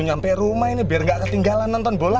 nyampe rumah ini biar gak ketinggalan nonton bola